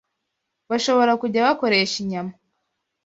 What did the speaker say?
bashobora kujya bakoresha inyama